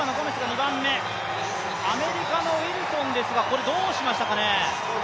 アメリカのウィルソンですがどうしましたかね？